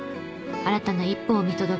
新たな一歩を見届け